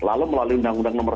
lalu melalui undang undang nomor